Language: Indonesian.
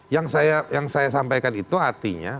yang saya sampaikan itu artinya